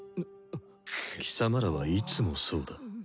貴様らはいつもそうだ。